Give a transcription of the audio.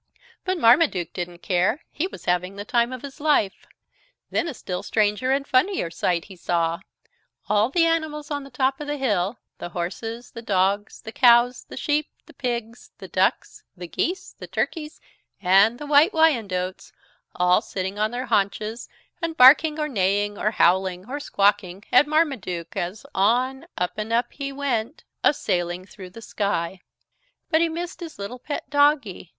But Marmaduke didn't care he was having the time of his life! Then a still stranger and funnier sight he saw, all the animals on the top of the hill the horses, the dogs, the cows, the sheep, the pigs, the ducks, the geese, the turkeys, and the White Wyandottes, all sitting on their haunches and barking or neighing or howling or squawking at Marmaduke, as on up and up he went, a sailing through the sky. But he missed his little pet doggie.